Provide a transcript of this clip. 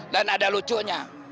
dan ada lucunya